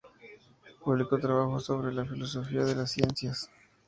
Publicó trabajos sobre la filosofía de las ciencias.